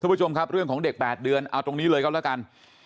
ผู้ชมครับเรื่องของเด็ก๘เดือนเอาตรงนี้เลยก็แล้วกัน